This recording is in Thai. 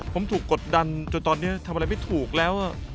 ผมถูกกดดันจนตอนนี้ทำอะไรไม่ถูกแล้ว